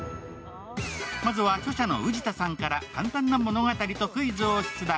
まずは著者の氏田さんから簡単な物語とクイズを出題。